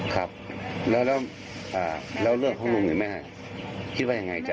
ถามว่าแม่จะเป็นประกันหรือไม่แม่ก็ไม่มีตังค์หรอก